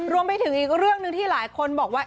รวมไปถึงอีกเรื่องหนึ่งที่หลายคนบอกว่า